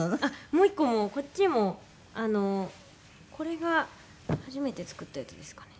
もう１個もこっちもあのこれが初めて作ったやつですかね。